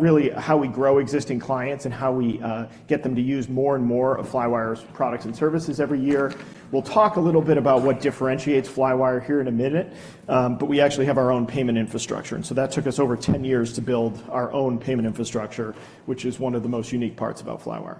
Really how we grow existing clients and how we get them to use more and more of Flywire's products and services every year. We'll talk a little bit about what differentiates Flywire here in a minute, but we actually have our own payment infrastructure. And so that took us over 10 years to build our own payment infrastructure, which is one of the most unique parts about Flywire.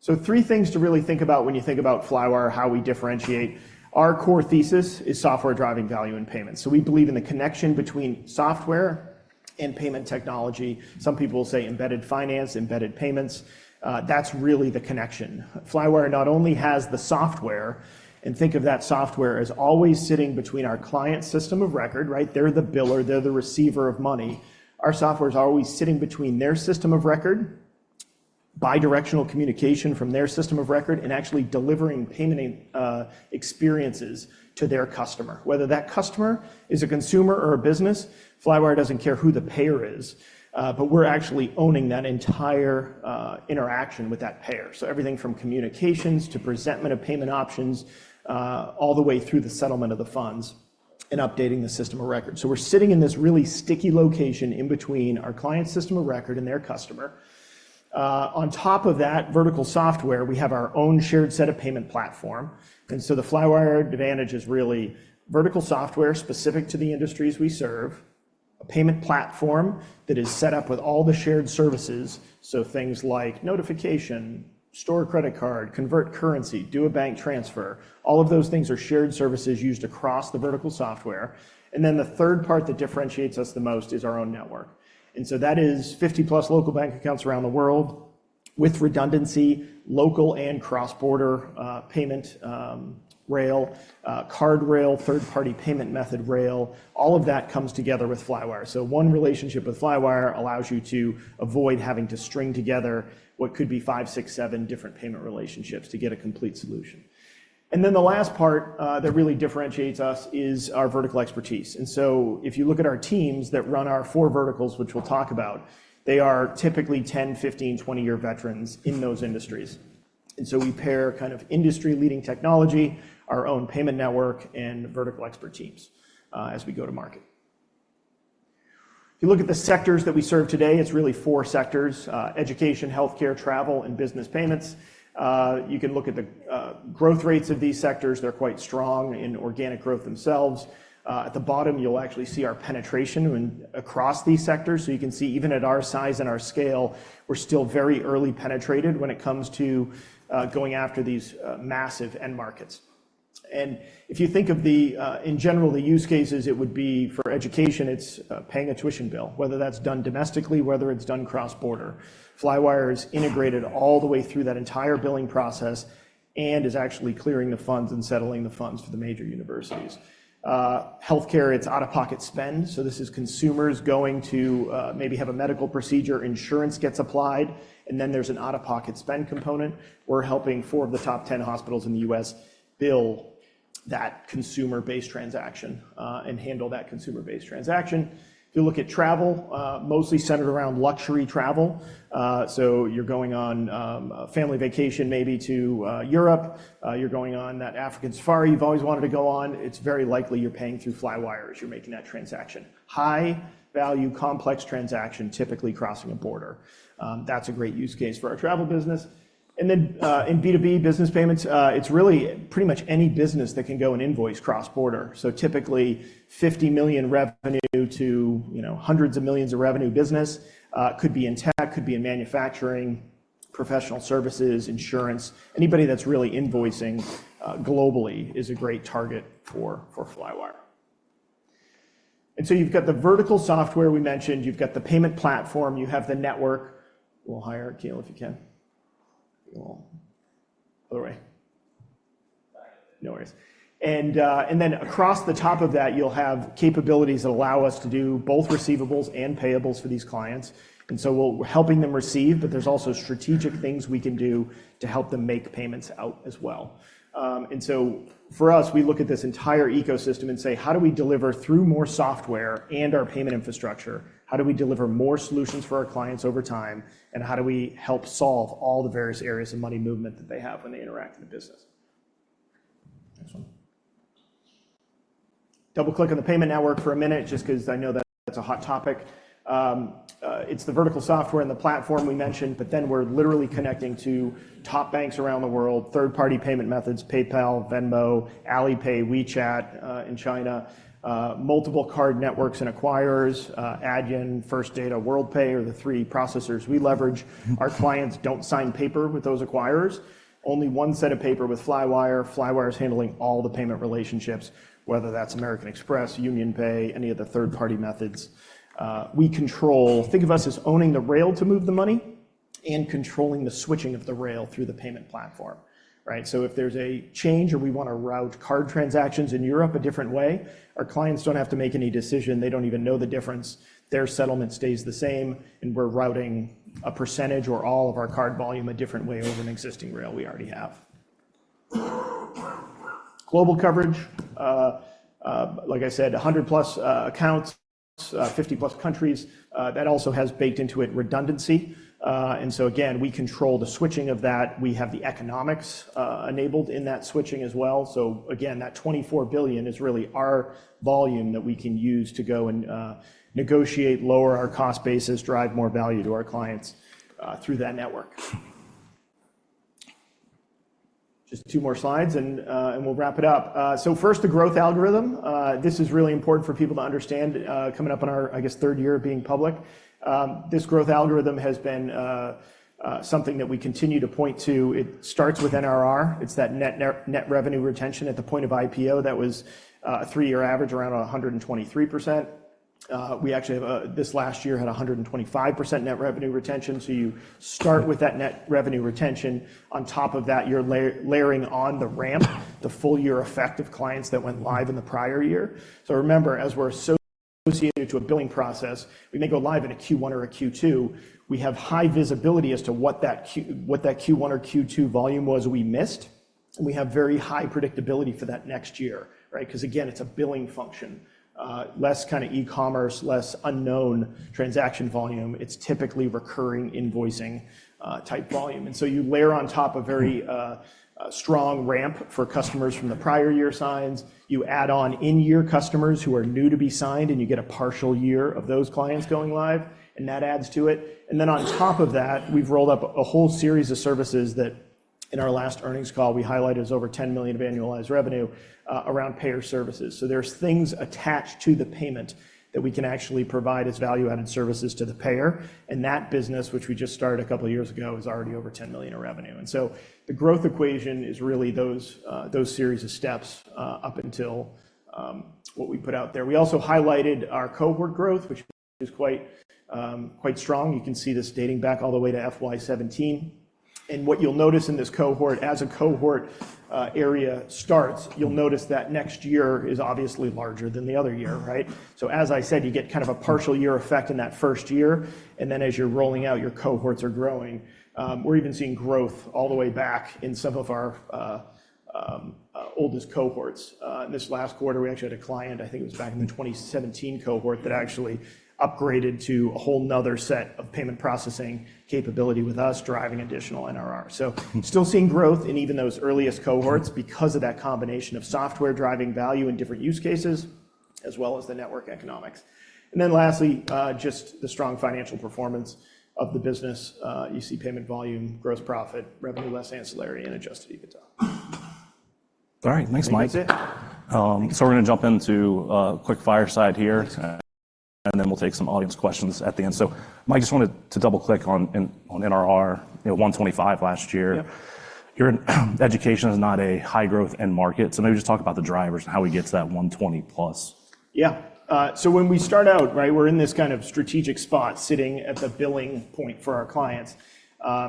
So three things to really think about when you think about Flywire, how we differentiate. Our core thesis is software-driven value and payments. So we believe in the connection between software and payment technology. Some people will say embedded finance, embedded payments. That's really the connection. Flywire not only has the software, and think of that software as always sitting between our client's system of record, right? They're the biller. They're the receiver of money. Our software is always sitting between their system of record, bidirectional communication from their system of record, and actually delivering payment experiences to their customer. Whether that customer is a consumer or a business, Flywire doesn't care who the payer is, but we're actually owning that entire interaction with that payer. So everything from communications to presentment of payment options, all the way through the settlement of the funds and updating the system of record. So we're sitting in this really sticky location in between our client's system of record and their customer. On top of that vertical software, we have our own shared set of payment platform. And so the Flywire advantage is really vertical software specific to the industries we serve, a payment platform that is set up with all the shared services. So things like notification, store credit card, convert currency, do a bank transfer. All of those things are shared services used across the vertical software. And then the third part that differentiates us the most is our own network. And so that is 50+ local bank accounts around the world with redundancy, local and cross-border payment rail, card rail, third-party payment method rail. All of that comes together with Flywire. So one relationship with Flywire allows you to avoid having to string together what could be 5, 6, 7 different payment relationships to get a complete solution. And then the last part that really differentiates us is our vertical expertise. And so if you look at our teams that run our four verticals, which we'll talk about, they are typically 10-, 15-, 20-year veterans in those industries. And so we pair kind of industry-leading technology, our own payment network, and vertical expert teams as we go to market. If you look at the sectors that we serve today, it's really four sectors: education, healthcare, travel, and business payments. You can look at the growth rates of these sectors. They're quite strong in organic growth themselves. At the bottom, you'll actually see our penetration across these sectors. So you can see even at our size and our scale, we're still very early penetrated when it comes to going after these massive end markets. And if you think of the, in general, the use cases, it would be for education, it's paying a tuition bill, whether that's done domestically, whether it's done cross-border. Flywire is integrated all the way through that entire billing process and is actually clearing the funds and settling the funds for the major universities. Healthcare, it's out-of-pocket spend. So this is consumers going to maybe have a medical procedure, insurance gets applied, and then there's an out-of-pocket spend component. We're helping four of the top 10 hospitals in the US bill that consumer-based transaction and handle that consumer-based transaction. If you look at travel, mostly centered around luxury travel. So you're going on a family vacation maybe to Europe. You're going on that African safari you've always wanted to go on. It's very likely you're paying through Flywire as you're making that transaction. High-value, complex transaction, typically crossing a border. That's a great use case for our travel business. And then in B2B business payments, it's really pretty much any business that can go and invoice cross-border. So typically $50 million revenue to hundreds of millions of revenue business could be in tech, could be in manufacturing, professional services, insurance. Anybody that's really invoicing globally is a great target for Flywire. So you've got the vertical software we mentioned. You've got the payment platform. You have the network. Then across the top of that, you'll have capabilities that allow us to do both receivables and payables for these clients. So we're helping them receive, but there's also strategic things we can do to help them make payments out as well. For us, we look at this entire ecosystem and say, how do we deliver through more software and our payment infrastructure? How do we deliver more solutions for our clients over time? And how do we help solve all the various areas of money movement that they have when they interact in a business? Next one. Double-click on the payment network for a minute, just because I know that's a hot topic. It's the vertical software and the platform we mentioned, but then we're literally connecting to top banks around the world, third-party payment methods, PayPal, Venmo, Alipay, WeChat in China, multiple card networks and acquirers, Adyen, First Data, Worldpay, are the three processors we leverage. Our clients don't sign paper with those acquirers. Only one set of paper with Flywire. Flywire is handling all the payment relationships, whether that's American Express, UnionPay, any of the third-party methods. We control. Think of us as owning the rail to move the money and controlling the switching of the rail through the payment platform, right? So if there's a change or we want to route card transactions in Europe a different way, our clients don't have to make any decision. They don't even know the difference. Their settlement stays the same, and we're routing a percentage or all of our card volume a different way over an existing rail we already have. Global coverage. Like I said, 100+ accounts, 50+ countries. That also has baked into it redundancy. And so again, we control the switching of that. We have the economics enabled in that switching as well. So again, that $24 billion is really our volume that we can use to go and negotiate, lower our cost basis, drive more value to our clients through that network. Just two more slides, and we'll wrap it up. So first, the growth algorithm. This is really important for people to understand coming up on our, I guess, third year of being public. This growth algorithm has been something that we continue to point to. It starts with NRR. It's that net revenue retention at the point of IPO that was a three-year average around 123%. We actually have, this last year, had 125% net revenue retention. So you start with that net revenue retention. On top of that, you're layering on the ramp, the full-year effect of clients that went live in the prior year. So remember, as we're associated to a billing process, we may go live in a Q1 or a Q2. We have high visibility as to what that Q1 or Q2 volume was we missed. And we have very high predictability for that next year, right? Because again, it's a billing function, less kind of e-commerce, less unknown transaction volume. It's typically recurring invoicing-type volume. And so you layer on top a very strong ramp for customers from the prior year signs. You add on in-year customers who are new to be signed, and you get a partial year of those clients going live, and that adds to it. Then on top of that, we've rolled up a whole series of services that in our last earnings call we highlighted as over $10 million of annualized revenue around payer services. So there's things attached to the payment that we can actually provide as value-added services to the payer. That business, which we just started a couple of years ago, is already over $10 million of revenue. So the growth equation is really those series of steps up until what we put out there. We also highlighted our cohort growth, which is quite strong. You can see this dating back all the way to FY 2017. What you'll notice in this cohort, as a cohort area starts, you'll notice that next year is obviously larger than the other year, right? So as I said, you get kind of a partial year effect in that first year. And then as you're rolling out, your cohorts are growing. We're even seeing growth all the way back in some of our oldest cohorts. In this last quarter, we actually had a client, I think it was back in the 2017 cohort, that actually upgraded to a whole another set of payment processing capability with us driving additional NRR. So still seeing growth in even those earliest cohorts because of that combination of software-driving value in different use cases, as well as the network economics. And then lastly, just the strong financial performance of the business. You see payment volume, gross profit, revenue less ancillary, and adjusted EBITDA. All right. Thanks, Mike. So we're going to jump into a quick fireside here, and then we'll take some audience questions at the end. So Mike, just wanted to double-click on NRR 125 last year. Your education is not a high-growth end market. So maybe just talk about the drivers and how we get to that 120+. Yeah. So when we start out, right, we're in this kind of strategic spot sitting at the billing point for our clients,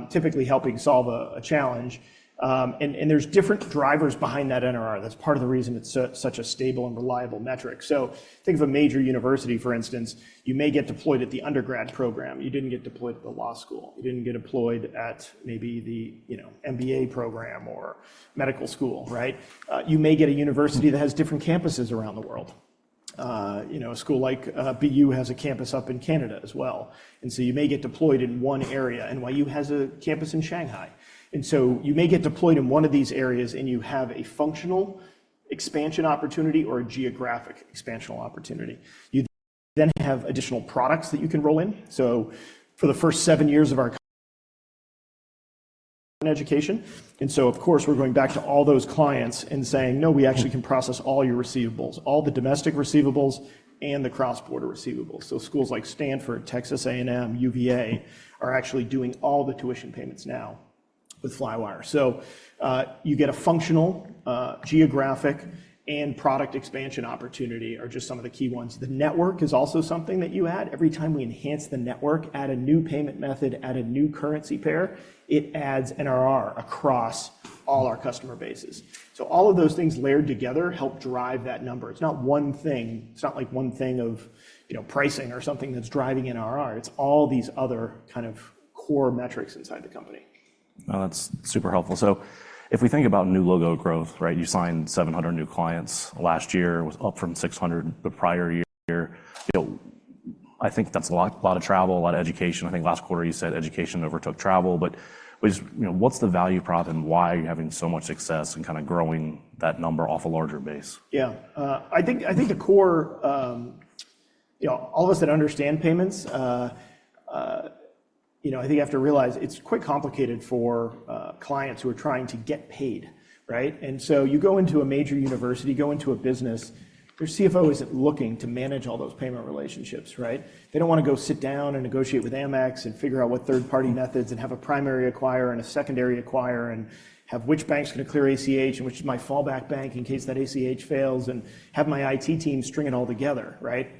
typically helping solve a challenge. And there's different drivers behind that NRR. That's part of the reason it's such a stable and reliable metric. So think of a major university, for instance. You may get deployed at the undergrad program. You didn't get deployed at the law school. You didn't get deployed at maybe the MBA program or medical school, right? You may get a university that has different campuses around the world. A school like BU has a campus up in Canada as well. And so you may get deployed in one area. NYU has a campus in Shanghai. And so you may get deployed in one of these areas, and you have a functional expansion opportunity or a geographic expansion opportunity. You then have additional products that you can roll in. So for the first seven years of our education. And so, of course, we're going back to all those clients and saying, "No, we actually can process all your receivables, all the domestic receivables and the cross-border receivables." So schools like Stanford, Texas A&M, UVA are actually doing all the tuition payments now with Flywire. So you get a functional, geographic, and product expansion opportunity are just some of the key ones. The network is also something that you add. Every time we enhance the network, add a new payment method, add a new currency pair, it adds NRR across all our customer bases. So all of those things layered together help drive that number. It's not one thing. It's not like one thing of pricing or something that's driving NRR. It's all these other kind of core metrics inside the company. Well, that's super helpful. So if we think about new logo growth, right, you signed 700 new clients last year, was up from 600 the prior year. I think that's a lot of travel, a lot of education. I think last quarter you said education overtook travel. But what's the value prop and why are you having so much success in kind of growing that number off a larger base? Yeah. I think the core, all of us that understand payments, I think you have to realize it's quite complicated for clients who are trying to get paid, right? And so you go into a major university, go into a business, their CFO isn't looking to manage all those payment relationships, right? They don't want to go sit down and negotiate with Amex and figure out what third-party methods and have a primary acquirer and a secondary acquirer and have which bank's going to clear ACH and which is my fallback bank in case that ACH fails and have my IT team string it all together, right?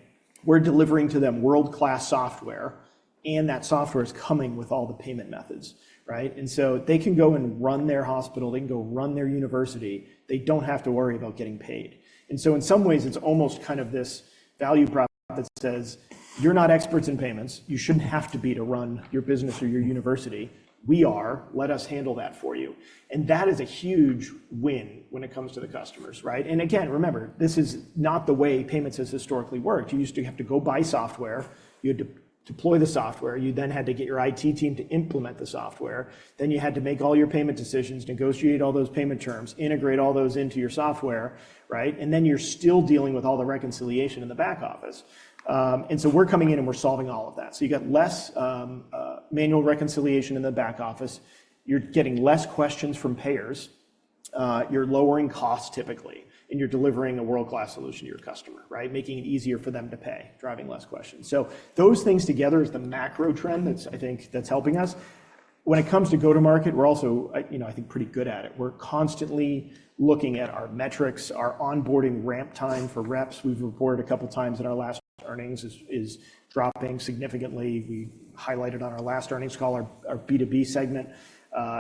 We're delivering to them world-class software, and that software is coming with all the payment methods, right? And so they can go and run their hospital. They can go run their university. They don't have to worry about getting paid. And so in some ways, it's almost kind of this value prop that says, "You're not experts in payments. You shouldn't have to be to run your business or your university. We are. Let us handle that for you." And that is a huge win when it comes to the customers, right? And again, remember, this is not the way payments has historically worked. You used to have to go buy software. You had to deploy the software. You then had to get your IT team to implement the software. Then you had to make all your payment decisions, negotiate all those payment terms, integrate all those into your software, right? And then you're still dealing with all the reconciliation in the back office. And so we're coming in and we're solving all of that. So you got less manual reconciliation in the back office. You're getting less questions from payers. You're lowering costs, typically, and you're delivering a world-class solution to your customer, right? Making it easier for them to pay, driving less questions. So those things together is the macro trend that's, I think, that's helping us. When it comes to go-to-market, we're also, I think, pretty good at it. We're constantly looking at our metrics, our onboarding ramp time for reps. We've reported a couple of times in our last earnings is dropping significantly. We highlighted on our last earnings call, our B2B segment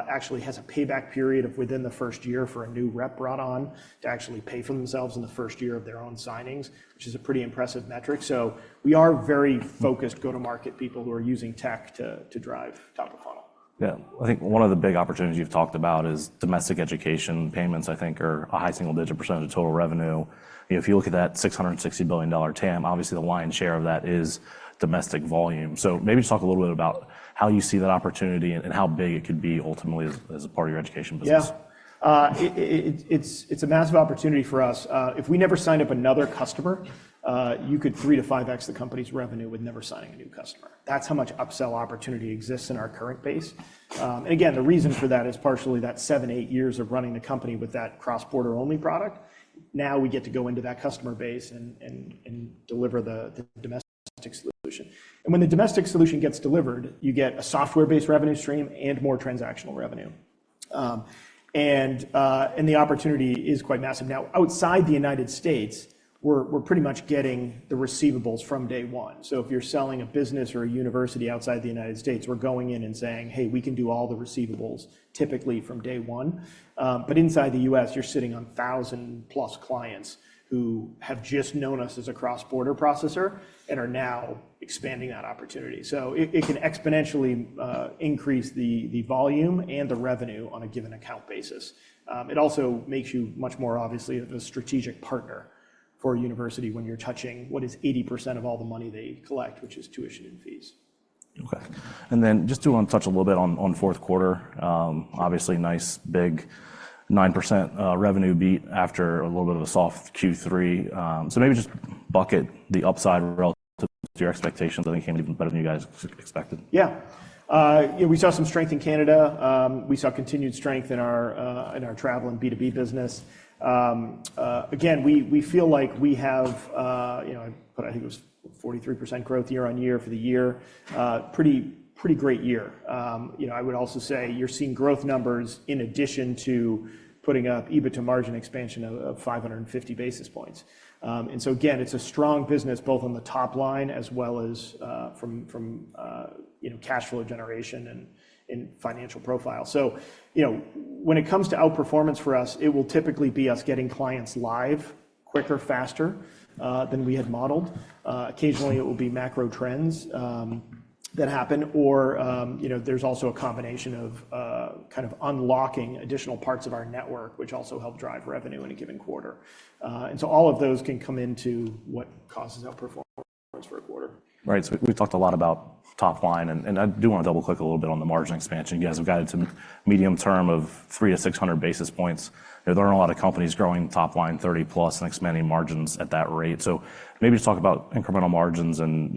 actually has a payback period of within the first year for a new rep brought on to actually pay for themselves in the first year of their own signings, which is a pretty impressive metric. So we are very focused go-to-market people who are using tech to drive top of funnel. Yeah. I think one of the big opportunities you've talked about is domestic education payments, I think, are a high single-digit % of total revenue. If you look at that $660 billion TAM, obviously, the lion's share of that is domestic volume. So maybe just talk a little bit about how you see that opportunity and how big it could be ultimately as a part of your education business. Yeah. It's a massive opportunity for us. If we never signed up another customer, you could 3x-5x the company's revenue with never signing a new customer. That's how much upsell opportunity exists in our current base. And again, the reason for that is partially that 7-8 years of running the company with that cross-border-only product. Now we get to go into that customer base and deliver the domestic solution. And when the domestic solution gets delivered, you get a software-based revenue stream and more transactional revenue. And the opportunity is quite massive. Now, outside the United States, we're pretty much getting the receivables from day one. If you're selling a business or a university outside the United States, we're going in and saying, "Hey, we can do all the receivables, typically, from day one." But inside the US, you're sitting on 1,000+ clients who have just known us as a cross-border processor and are now expanding that opportunity. So it can exponentially increase the volume and the revenue on a given account basis. It also makes you much more, obviously, of a strategic partner for a university when you're touching what is 80% of all the money they collect, which is tuition and fees. Okay. And then just to touch a little bit on fourth quarter, obviously, nice big 9% revenue beat after a little bit of a soft Q3. So maybe just bucket the upside relative to your expectations. I think came even better than you guys expected. Yeah. We saw some strength in Canada. We saw continued strength in our travel and B2B business. Again, we feel like we have, I think it was 43% growth year-over-year for the year, pretty great year. I would also say you're seeing growth numbers in addition to putting up EBITDA margin expansion of 550 basis points. And so again, it's a strong business both on the top line as well as from cash flow generation and financial profile. So when it comes to outperformance for us, it will typically be us getting clients live quicker, faster than we had modeled. Occasionally, it will be macro trends that happen. Or there's also a combination of kind of unlocking additional parts of our network, which also help drive revenue in a given quarter. And so all of those can come into what causes outperformance for a quarter. Right. So we've talked a lot about top line. And I do want to double-click a little bit on the margin expansion. You guys have got it to medium term of 300 to 600 basis points. There aren't a lot of companies growing top line 30+ and expanding margins at that rate. So maybe just talk about incremental margins and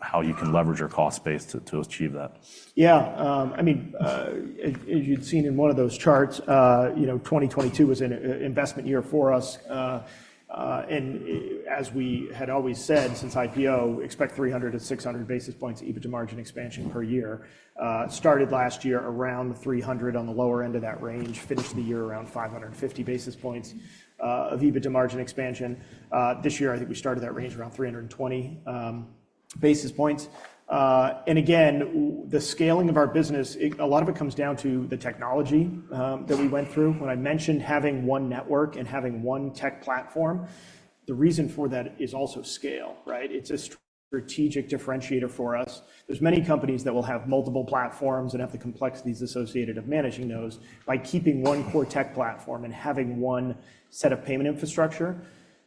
how you can leverage your cost base to achieve that. Yeah. I mean, as you'd seen in one of those charts, 2022 was an investment year for us. And as we had always said since IPO, expect 300-600 basis points EBITDA margin expansion per year. Started last year around 300 on the lower end of that range, finished the year around 550 basis points of EBITDA margin expansion. This year, I think we started that range around 320 basis points. And again, the scaling of our business, a lot of it comes down to the technology that we went through. When I mentioned having one network and having one tech platform, the reason for that is also scale, right? It's a strategic differentiator for us. There's many companies that will have multiple platforms and have the complexities associated with managing those. By keeping one core tech platform and having one set of payment infrastructure,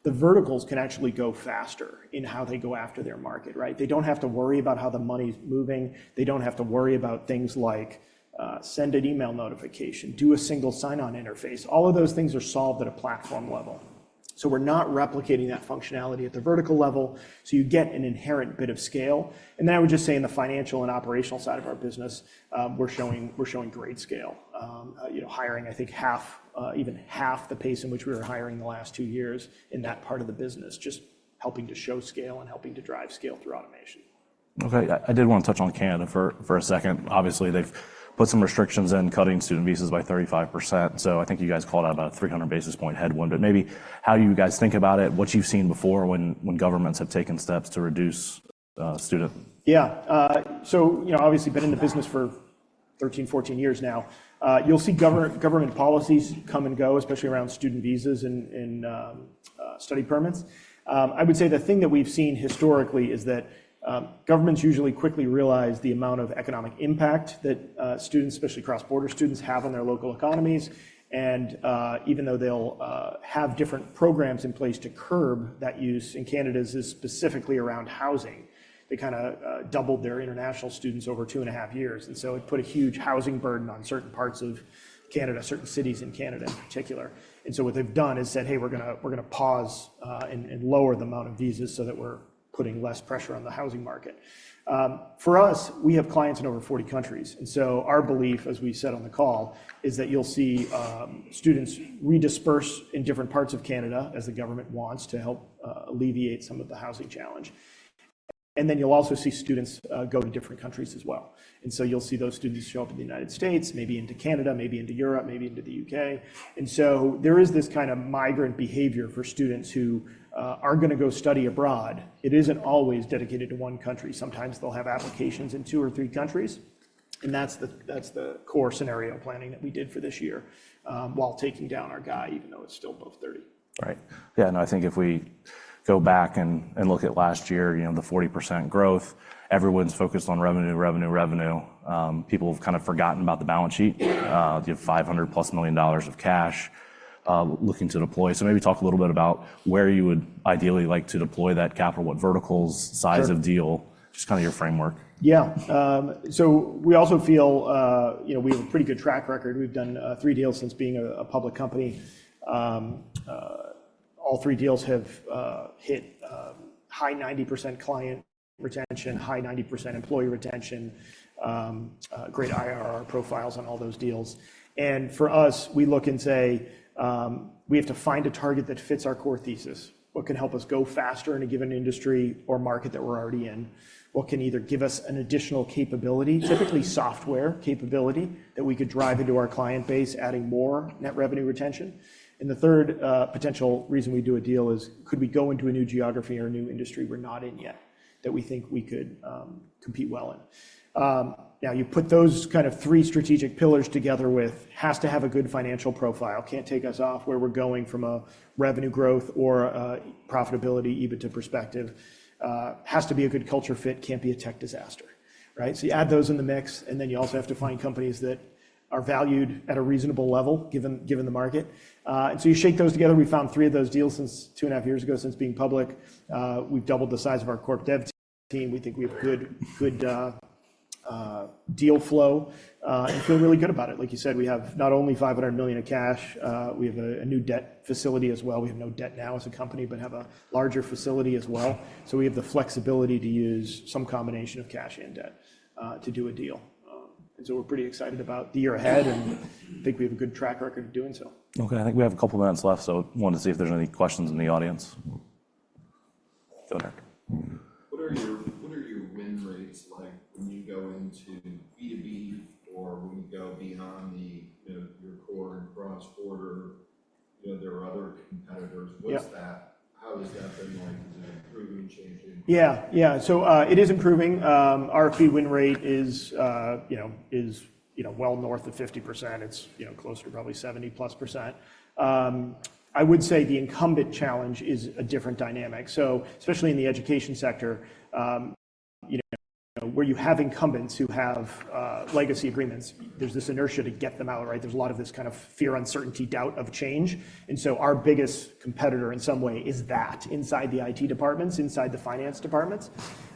the verticals can actually go faster in how they go after their market, right? They don't have to worry about how the money's moving. They don't have to worry about things like send an email notification, do a single sign-on interface. All of those things are solved at a platform level. So we're not replicating that functionality at the vertical level. So you get an inherent bit of scale. And then I would just say in the financial and operational side of our business, we're showing great scale. Hiring, I think, even half the pace in which we were hiring the last two years in that part of the business, just helping to show scale and helping to drive scale through automation. Okay. I did want to touch on Canada for a second. Obviously, they've put some restrictions in cutting student visas by 35%. So I think you guys called out about a 300 basis point headwind. But maybe how do you guys think about it? What you've seen before when governments have taken steps to reduce student. Yeah. So obviously, been in the business for 13-14 years now. You'll see government policies come and go, especially around student visas and study permits. I would say the thing that we've seen historically is that governments usually quickly realize the amount of economic impact that students, especially cross-border students, have on their local economies. And even though they'll have different programs in place to curb that, use in Canada is specifically around housing. They kind of doubled their international students over two and a half years. And so it put a huge housing burden on certain parts of Canada, certain cities in Canada in particular. And so what they've done is said, "Hey, we're going to pause and lower the amount of visas so that we're putting less pressure on the housing market." For us, we have clients in over 40 countries. And so our belief, as we said on the call, is that you'll see students redisperse in different parts of Canada as the government wants to help alleviate some of the housing challenge. And then you'll also see students go to different countries as well. And so you'll see those students show up in the United States, maybe into Canada, maybe into Europe, maybe into the UK. And so there is this kind of migrant behavior for students who are going to go study abroad. It isn't always dedicated to one country. Sometimes they'll have applications in two or three countries. And that's the core scenario planning that we did for this year while taking down our guidance, even though it's still above 30. Right. Yeah. No, I think if we go back and look at last year, the 40% growth, everyone's focused on revenue, revenue, revenue. People have kind of forgotten about the balance sheet. You have $500+ million of cash looking to deploy. So maybe talk a little bit about where you would ideally like to deploy that capital, what verticals, size of deal, just kind of your framework. Yeah. So we also feel we have a pretty good track record. We've done three deals since being a public company. All three deals have hit high 90% client retention, high 90% employee retention, great IRR profiles on all those deals. And for us, we look and say we have to find a target that fits our core thesis. What can help us go faster in a given industry or market that we're already in? What can either give us an additional capability, typically software capability, that we could drive into our client base, adding more net revenue retention? And the third potential reason we do a deal is, could we go into a new geography or a new industry we're not in yet that we think we could compete well in? Now, you put those kind of three strategic pillars together with has to have a good financial profile, can't take us off where we're going from a revenue growth or profitability EBITDA perspective, has to be a good culture fit, can't be a tech disaster, right? So you add those in the mix. And then you also have to find companies that are valued at a reasonable level given the market. And so you shake those together. We found three of those deals since two and a half years ago since being public. We've doubled the size of our corp dev team. We think we have good deal flow and feel really good about it. Like you said, we have not only $500 million of cash, we have a new debt facility as well. We have no debt now as a company, but have a larger facility as well. We have the flexibility to use some combination of cash and debt to do a deal. We're pretty excited about the year ahead, and I think we have a good track record of doing so. Okay. I think we have a couple of minutes left. I wanted to see if there's any questions in the audience? Go ahead. What are your win rates like when you go into B2B or when you go beyond your core and cross-border? There are other competitors. How has that been like? Is it improving, changing? Yeah. Yeah. So it is improving. RFP win rate is well north of 50%. It's closer to probably 70%+. I would say the incumbent challenge is a different dynamic. So especially in the education sector, where you have incumbents who have legacy agreements, there's this inertia to get them out, right? There's a lot of this kind of fear, uncertainty, doubt of change. And so our biggest competitor in some way is that inside the IT departments, inside the finance departments.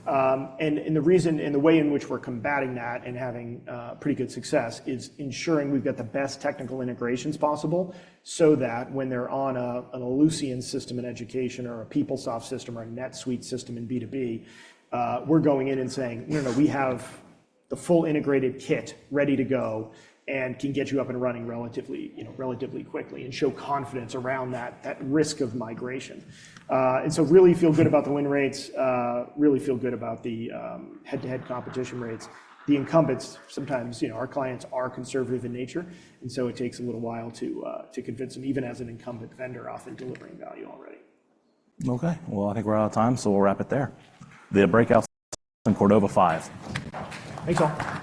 And the way in which we're combating that and having pretty good success is ensuring we've got the best technical integrations possible so that when they're on an Ellucian system in education or a PeopleSoft system or a NetSuite system in B2B, we're going in and saying, "No, no, we have the full integrated kit ready to go and can get you up and running relatively quickly and show confidence around that risk of migration." And so really feel good about the win rates, really feel good about the head-to-head competition rates. The incumbents, sometimes our clients are conservative in nature, and so it takes a little while to convince them, even as an incumbent vendor often delivering value already. Okay. Well, I think we're out of time, so we'll wrap it there. The breakout session in Cordova 5. Thanks, all.